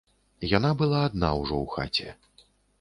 Яна была адна ўжо ў хаце.